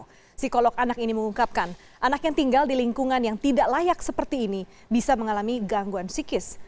psikolog anak ini mengungkapkan anak yang tinggal di lingkungan yang tidak layak seperti ini bisa mengalami gangguan psikis